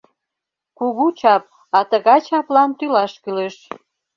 Кугу чап, а тыгай чаплан тӱлаш кӱлеш...